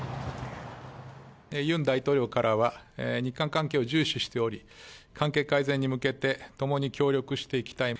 ユン大統領からは、日韓関係を重視しており、関係改善に向けて、共に協力していきたい。